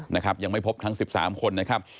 นะครับยังไม่พบทั้ง๑๓คนนะครับ